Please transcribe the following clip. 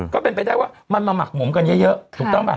ก็เป็นไปได้ว่ามันมาหมักหมมกันเยอะถูกต้องป่ะ